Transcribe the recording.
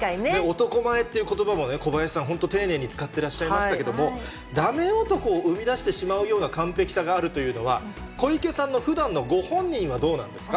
男前っていうことばもね、小林さん、本当、丁寧に使ってらっしゃいましたけども、ダメ男を生み出してしまうような完璧さがあるというのは、小池さんのふだんのご本人はどうなんですか。